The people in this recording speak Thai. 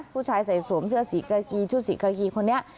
ผู้ชายใส่สวมเสื้อสีกากีชุดสีกากีคนนี้